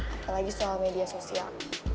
apalagi soal media sosial